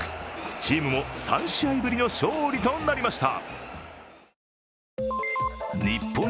チームも３試合ぶりの勝利となりました。